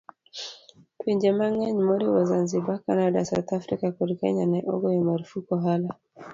Pinje mang'eny moriwo Zanzibar, Canada, South Africa, kod Kenya ne ogoyo marfuk ohala